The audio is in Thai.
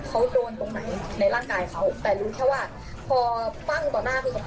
เขาโดนตรงไหนในร่างกายเขาแต่รู้แค่ว่าพอปั้งต่อหน้าคือเขา